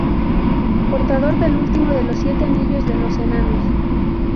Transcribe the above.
Portador del último de los siete anillos de los Enanos.